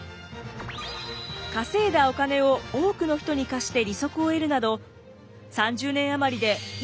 稼いだお金を多くの人に貸して利息を得るなど３０年余りですごい！